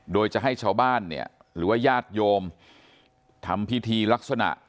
โดยจะให้ชาวบ้านเนี่ยหรือว่าญาติโยมทำพิธีลักษณะ